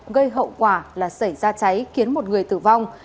gây hậu quả là xảy ra cháy khiến một người tử vong